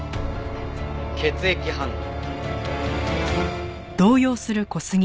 血液反応。